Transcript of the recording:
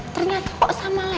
ternyata kok sama lemos ya